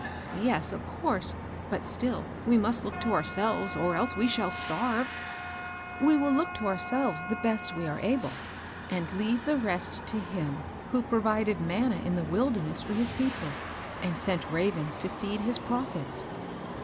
" Yes, of course ; but still we must look to ouj^ selves, or else we shall starve." " We will look to ourselves the best we are able, and leave the rest to Him who provided manna in the wilderness for his people, and sent ravens to feed his prophets."